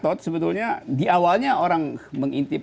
nah pak gatot sebetulnya diawalnya orang mengintip